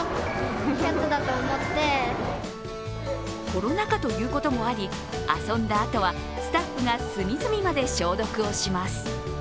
コロナ禍ということもあり、遊んだあとはスタッフが隅々まで消毒をします。